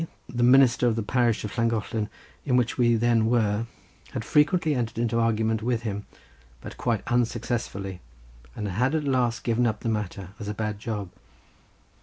the minister of the parish of L., in which we then were, had frequently entered into argument with him, but quite unsuccessfully, and had at last given up the matter as a bad job.